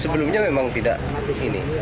sebelumnya memang tidak ini